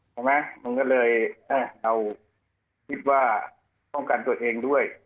ใช่ไหมมันก็เลยเราคิดว่าป้องกันตัวเองด้วย